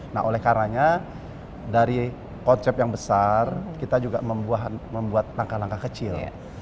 nah oleh karanya dari konsep yang besar kita juga membuat langkah langkah kecil